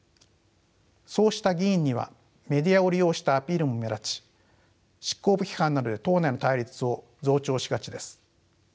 そうした議員にはメディアを利用したアピールも目立ち執行部批判などで党内の対立を増長しがちです。